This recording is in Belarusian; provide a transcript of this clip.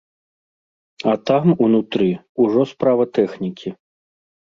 А там, унутры, ужо справа тэхнікі.